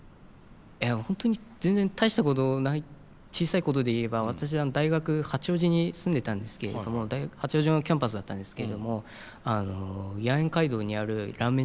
本当に全然大したことない小さいことでいえば私大学八王子に住んでたんですけれども大学八王子のキャンパスだったんですけれども野猿街道にあるラーメン